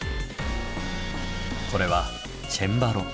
これはチェンバロ。